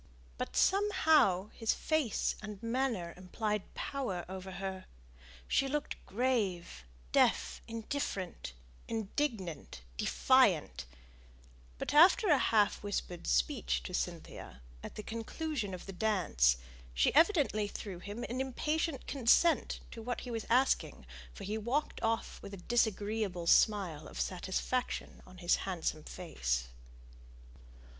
But, somehow, his face and manner implied power over her. She looked grave, deaf, indifferent, indignant, defiant; but, after a half whispered speech to Cynthia, at the conclusion of the dance, she evidently threw him an impatient consent to what he was asking, for he walked off with a disagreeable smile of satisfaction on his handsome face.